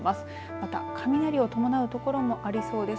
また雷を伴う所もありそうです。